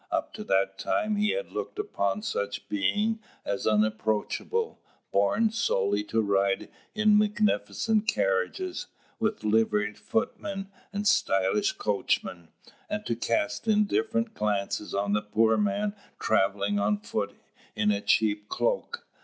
Up to that time he had looked upon such beings as unapproachable, born solely to ride in magnificent carriages, with liveried footmen and stylish coachmen, and to cast indifferent glances on the poor man travelling on foot in a cheap cloak.